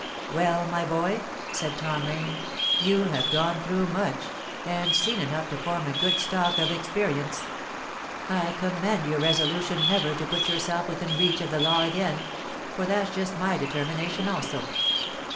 "Well, my boy," said Tom Rain, "you have gone through much, and seen enough to form a good stock of experience. I commend your resolution never to put yourself within reach of the law again; for that's just my determination also.